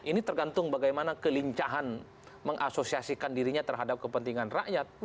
ini tergantung bagaimana kelincahan mengasosiasikan dirinya terhadap kepentingan rakyat